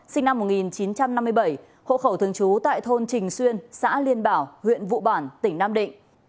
sinh năm một nghìn chín trăm năm mươi bảy hộ khẩu thường trú tại thôn trình xuyên xã liên bảo huyện vụ bản tỉnh nam định